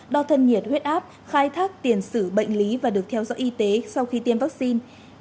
đo thân nhiệt huyết áp khai thác tiền xử bệnh lý và được theo dõi y tế sau khi tiêm vaccine